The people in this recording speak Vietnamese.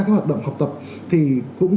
các hoạt động học tập thì cũng